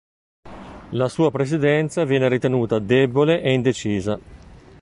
La sua presidenza viene ritenuta debole e indecisa.